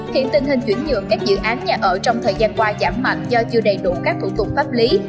hiện tình hình chuyển nhượng các dự án nhà ở trong thời gian qua giảm mạnh do chưa đầy đủ các thủ tục pháp lý